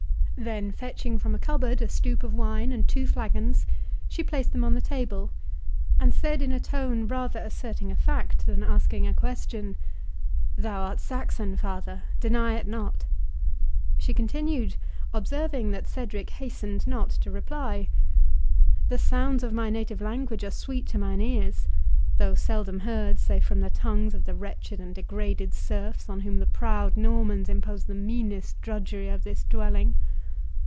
Then fetching from a cupboard a stoup of wine and two flagons, she placed them on the table, and said in a tone rather asserting a fact than asking a question, "Thou art Saxon, father—Deny it not," she continued, observing that Cedric hastened not to reply; "the sounds of my native language are sweet to mine ears, though seldom heard save from the tongues of the wretched and degraded serfs on whom the proud Normans impose the meanest drudgery of this dwelling.